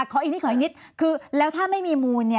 ขออีกนิดคือแล้วถ้าไม่มีมูล